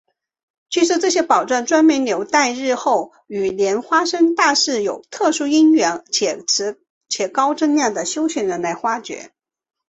据说这些宝藏专门留待日后与莲花生大士有特殊因缘且高证量的修行人来发觉。